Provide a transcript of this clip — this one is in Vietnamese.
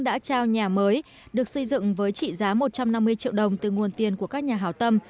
đã trao nhà mới được xây dựng với trị giá một trăm năm mươi triệu đồng từ nguồn tiền của các nhà hào tâm